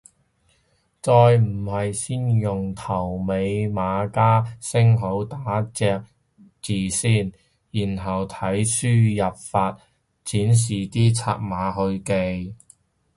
再唔係先用頭尾碼加星號打隻字先，然後睇輸入法顯示嘅拆碼去記